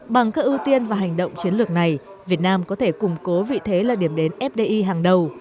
bằng các ưu tiên và hành động chiến lược này việt nam có thể củng cố vị thế là điểm đến fdi hàng đầu